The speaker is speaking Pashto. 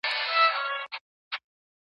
د مشرق له سره ګرېوانه لمر ښکاره سي